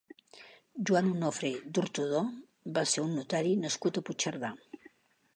Joan Onofre d'Ortodó va ser un notari nascut a Puigcerdà.